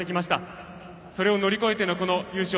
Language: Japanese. それを乗り越えてのこの優勝。